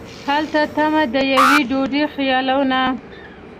هلته تمه د یوې ډوډۍ خیالونه